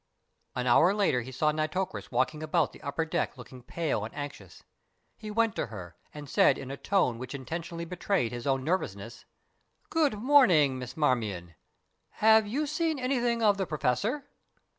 An hour later he saw Nitocris walking about the upper deck looking pale and anxious. He went to her and said in a tone which intentionally betrayed his own nervousness: "Good morning, Miss Marmion! Have you seen anything of the Professor?"